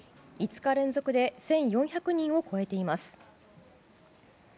５日連続で１４００人を超えています。